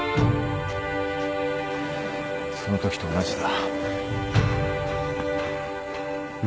そのときと同じだ。